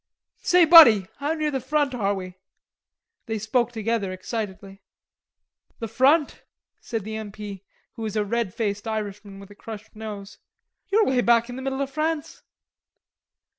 "Say, buddy, how near the front are we?" they spoke together excitedly. "The front?" said the M. P., who was a red faced Irishman with a crushed nose. "You're 'way back in the middle of France."